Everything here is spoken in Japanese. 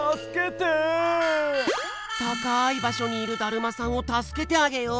たかいばしょにいるだるまさんをたすけてあげよう！